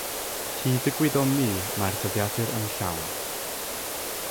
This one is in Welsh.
Hyd y gwyddom ni mae'r dyddiadur yn llawn